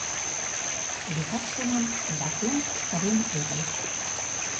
Векат, шонем, ватем сырен огыл.